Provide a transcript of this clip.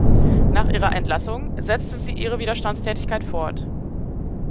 Nach ihrer Entlassung setzte sie ihre Widerstandstätigkeit fort.